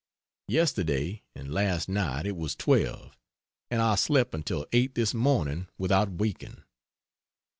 Yesterday and last night it was 12 and I slept until 8 this morning without waking.